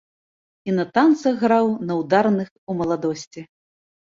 І на танцах граў на ўдарных у маладосці.